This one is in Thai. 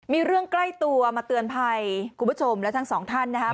มีเรื่องใกล้ตัวมาเตือนภัยคุณผู้ชมและทั้งสองท่านนะครับ